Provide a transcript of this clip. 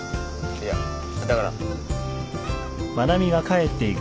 いやだから。